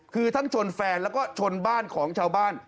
คือทั้งชนแฟนแล้วก็ชนบ้านของชาวบ้าน